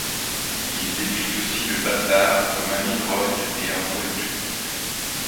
Il décrit aussi le bâtard comme un ivrogne et un boiteux.